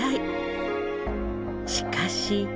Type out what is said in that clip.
しかし。